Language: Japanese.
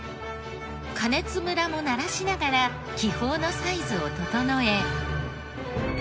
加熱ムラもならしながら気泡のサイズを整え。